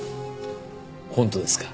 本当ですか？